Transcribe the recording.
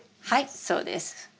はいそうです。